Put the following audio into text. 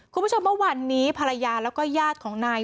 คุณผู้ชมเมื่อวานนี้ภรรยาแล้วก็ญาติของนาย